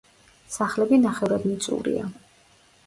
სახლები ნახევრად მიწურია.